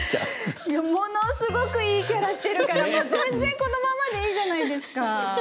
いやものすごくいいキャラしてるから全然このままでいいじゃないですか。